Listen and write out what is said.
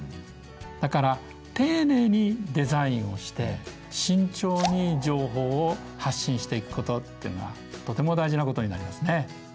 だから丁寧にデザインをして慎重に情報を発信していくことっていうのはとても大事なことになりますね。